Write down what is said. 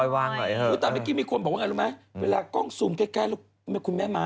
หมายถึงบอกคุณอ้าวเขาว่า